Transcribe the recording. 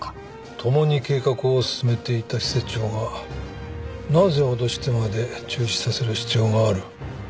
共に計画を進めていた施設長がなぜ脅してまで中止させる必要がある？